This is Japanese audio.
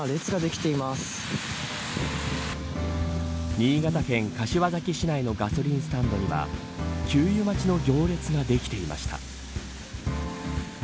新潟県柏崎市内のガソリンスタンドには給油待ちの行列ができていました。